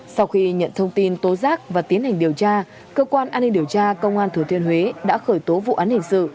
sau khi nhận thông tin tố giác và tiến hành điều tra cơ quan an ninh điều tra công an thừa thiên huế đã khởi tố vụ án hình sự